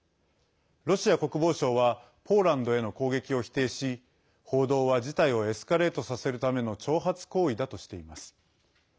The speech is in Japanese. ロシア国防省はポーランドへの攻撃を否定し報道は事態をエスカレートさせるための挑発行為だとしています。